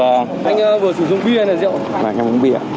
anh uống bia